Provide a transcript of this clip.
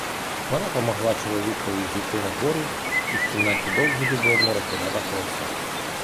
Вона помогла чоловікові зійти нагору і в кімнаті довго любовно розглядала колосок.